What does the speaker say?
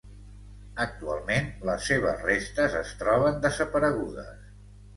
Actualment les seves restes es troben desaparegudes.